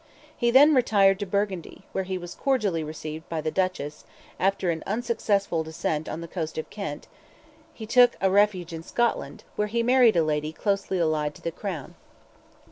He then retired to Burgundy, where he was cordially received by the Duchess; after an unsuccessful descent on the coast of Kent, he took refuge in Scotland, where he married a lady closely allied to the crown.